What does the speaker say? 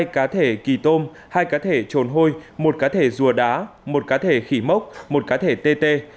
hai cá thể kỳ tôm hai cá thể trồn hôi một cá thể rùa đá một cá thể khỉ mốc một cá thể tt